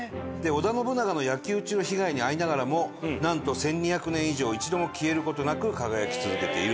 織田信長の焼き討ちの被害に遭いながらもなんと１２００年以上一度も消える事なく輝き続けていると。